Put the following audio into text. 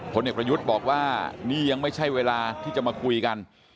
ผลเอกประยุทธ์บอกว่านี่ยังไม่ใช่เวลาที่จะมาคุยกัน